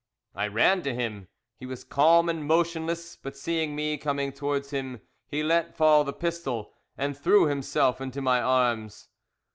I ran to him, he was calm and motionless, but seeing me coming towards him he let fall the pistol, and threw himself into my arms.